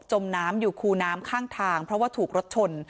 มน้ำอยู่คูน้ำข้างทางเพราะว่าถูกรถชน